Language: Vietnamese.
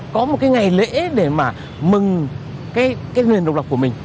có một cái ngày lễ để mà mừng cái nền độc lập của mình